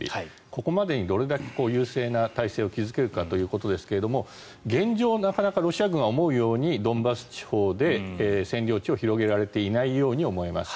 ここまでにどれだけ優勢な体制を築けるかということですが現状、なかなかロシア軍は思うようにドンバス地方で占領地を広げられていないように思います。